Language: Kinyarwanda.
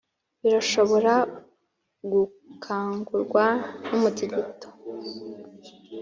birashobora gukangurwa n’ umutingito